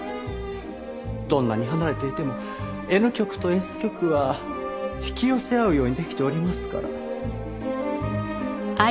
どんなに離れていてもＮ極とＳ極は引き寄せ合うようにできておりますから。